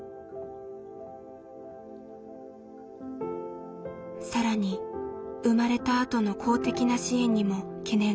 だから更に生まれたあとの公的な支援にも懸念があります。